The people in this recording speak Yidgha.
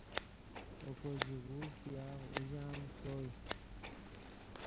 اوکو ژیغوز ګیاغ اوژانگ چوئے